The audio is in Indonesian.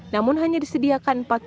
namun hanya disediakan empat puluh persen